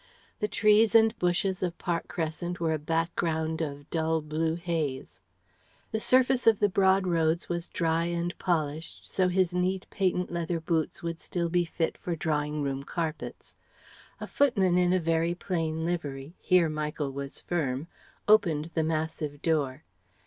The trees and bushes of Park Crescent were a background of dull blue haze. The surface of the broad roads was dry and polished, so his neat, patent leather boots would still be fit for drawing room carpets. A footman in a very plain livery here Michael was firm opened the massive door.